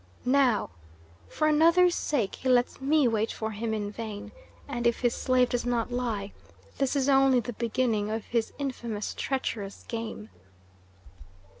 Now? For another's sake he lets me wait for him in vain, and if his slave does not lie, this is only the beginning of his infamous, treacherous game."